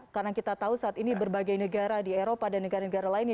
karena kita tahu saat ini berbagai negara di eropa dan negara negara lainnya